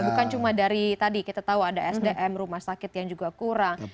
bukan cuma dari tadi kita tahu ada sdm rumah sakit yang juga kurang